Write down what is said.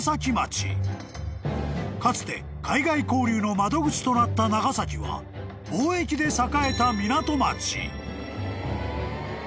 ［かつて海外交流の窓口となった長崎は貿易で栄えた］